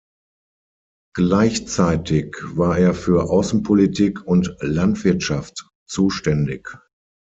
Gleichzeitig war er für Außenpolitik und Landwirtschaft zuständig.